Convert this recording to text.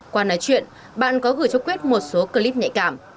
qua nói chuyện bạn có gửi cho quyết một số clip nhạy cảm